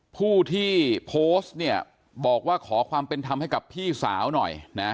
ผู้ที่โพสต์เนี่ยบอกว่าขอความเป็นธรรมให้กับพี่สาวหน่อยนะ